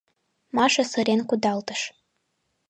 — Маша сырен кудалтыш.